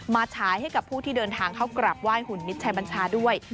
ฉายให้กับผู้ที่เดินทางเข้ากราบไหว้หุ่นมิตรชัยบัญชาด้วย